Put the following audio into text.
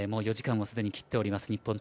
４時間をすでに切っています